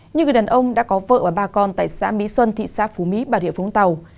như người đàn ông đã có vợ và ba con tại xã mỹ xuân thị xã phú mỹ bà địa vũng tàu